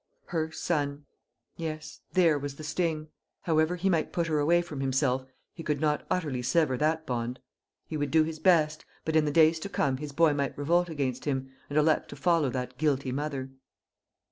Her son! Yes, there was the sting. However he might put her away from himself, he could not utterly sever that bond. He would do his best; but in the days to come his boy might revolt against him, and elect to follow that guilty mother.